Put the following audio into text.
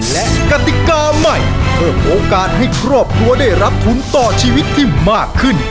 และกติกาใหม่เพิ่มโอกาสให้ครอบครัวได้รับทุนต่อชีวิตที่มากขึ้น